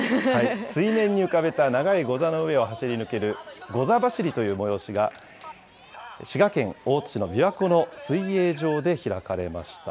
水面に浮かべた長いゴザの上を走り抜ける、ゴザ走りという催しが、滋賀県大津市のびわ湖の水泳場で開かれました。